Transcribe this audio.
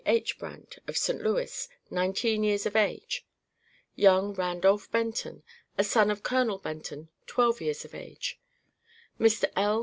H. Brant, of St. Louis, nineteen years of age; young Randolph Benton, a son of Colonel Benton, twelve years of age; Mr. L.